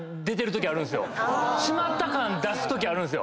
閉まった感出すときあるんですよ。